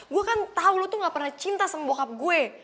gue kan tahu lo tuh gak pernah cinta sama bokap gue